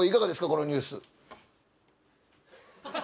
このニュース」。